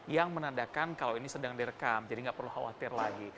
yang menandakan kalau ini sedang direkam jadi nggak perlu khawatir lagi